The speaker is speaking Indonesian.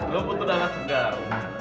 lo butuh dana segar